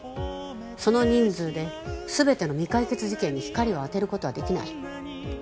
その人数で全ての未解決事件に光を当てる事はできない。